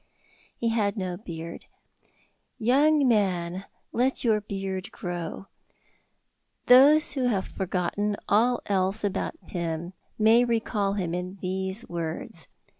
He had no beard. "Young man, let your beard grow." Those who have forgotten all else about Pym may recall him in these words.